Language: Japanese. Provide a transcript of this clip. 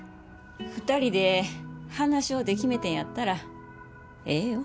２人で話し合うて決めてんやったらええよ。